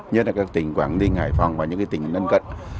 nhất là tỉnh quảng đinh hải phòng và những tỉnh lân cận